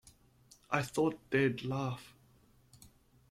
I thought they'd laugh.